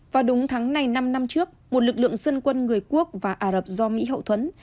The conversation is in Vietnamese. vào đúng tháng này năm năm trước một lực lượng dân quân người quốc và ả rập do mỹ hậu thuẫn